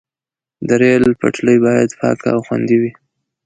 د ریل پټلۍ باید پاکه او خوندي وي.